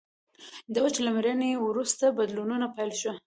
دوج له مړینې وروسته بدلونونه پیل شول.